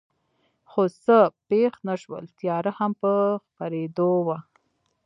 خو څه پېښ نه شول، تیاره هم په خپرېدو وه.